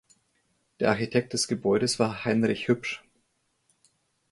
Der Architekt des Gebäudes war Heinrich Hübsch.